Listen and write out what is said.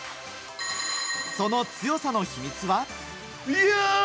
その強さの秘密は。